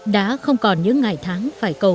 đã không còn những ngày tháng phải cầu